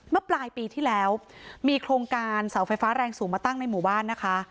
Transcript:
เมื่อปลายปีที่แล้วมีโครงการเสาไฟฟ้าแรงสูงมาตั้งในหมู่บ้านนะคะ